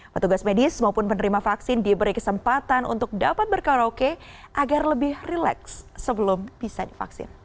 petugas medis maupun penerima vaksin diberi kesempatan untuk dapat berkaraoke agar lebih rileks sebelum bisa divaksin